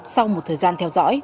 sau một thời gian theo dõi